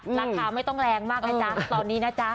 ราคาไม่ต้องแรงมากนะจ๊ะตอนนี้นะจ๊ะ